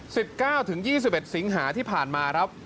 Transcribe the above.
สิบเก้าถึงยี่สิบเอ็ดสิงหาที่ผ่านมาครับ